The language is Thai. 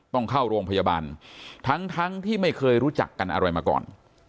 ต้องเข้าโรงพยาบาลทั้งทั้งที่ไม่เคยรู้จักกันอะไรมาก่อน